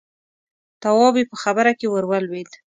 تواب يې په خبره کې ور ولوېد: